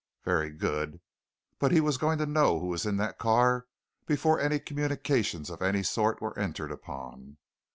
Very good but he was going to know who was in that car before any communications of any sort were entered upon.